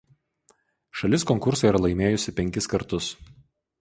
Šalis konkursą yra laimėjusi penkis kartus.